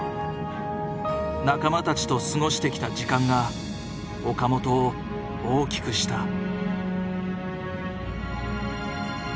仲間たちと過ごしてきた時間が岡本を大きくした。